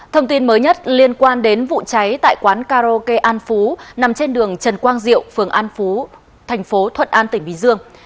thông tin mới nhất liên quan đến vụ cháy tại quán karaoke an phú nằm trên đường trần quang diệu phường an phú tp thuận an tỉnh bì dương